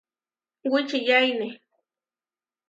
Wičiyaine.